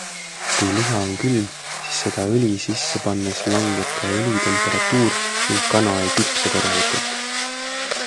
Kui liha on külm, siis seda õli sisse pannes langeb ka õli temperatuur ning kana ei küpse korralikult.